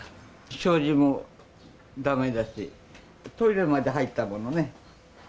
障子もだめだし、トイレまで入ったものね。